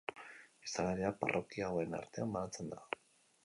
Biztanleria parrokia hauen artean banatzen da.